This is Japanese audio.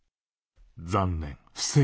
残念不正解！